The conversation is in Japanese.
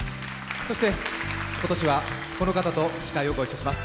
そして今年はこの方と司会をご一緒します。